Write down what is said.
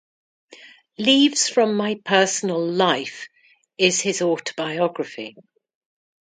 "Leaves from My Personal Life" is his autobiography.